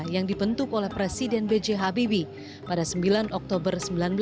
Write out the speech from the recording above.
yang dibentuk oleh presiden b j habibie pada sembilan oktober seribu sembilan ratus empat puluh